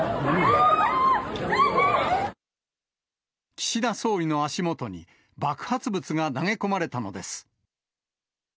岸田総理の足元に、爆発物が投げ込まれたのです。